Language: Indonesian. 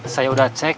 saya udah cek